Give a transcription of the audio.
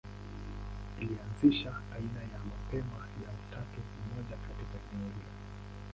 Ilianzisha aina ya mapema ya utatu mmoja katika eneo hilo.